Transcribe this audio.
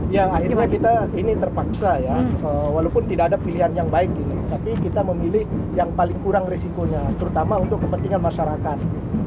ya akhirnya kita ini terpaksa ya walaupun tidak ada pilihan yang baik tapi kita memilih yang paling kurang risikonya terutama untuk kepentingan masyarakat